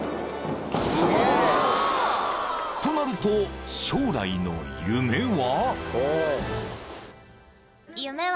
［となると将来の夢は？］